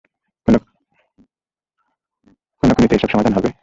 খুনাখুনিতে এসব সমাধান হবে?